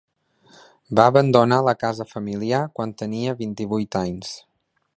Va abandonar la casa familiar quan tenia vint-i-vuit anys.